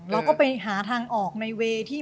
เราก็ไปหาทางออกในเวย์ที่